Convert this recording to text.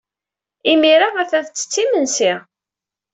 Imir-a, attan tettett imensi.